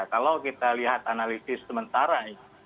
kalau kita lihat analisis sementara ya